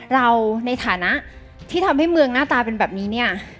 เราในฐานะที่ทำให้เมืองหน้าตาเป็นแบบนี้เนี่ย